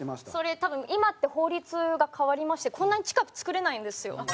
それ多分今って法律が変わりましてこんなに近く作れないんですよ。